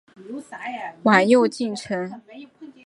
晚又进城。